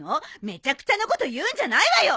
めちゃくちゃなこと言うんじゃないわよ。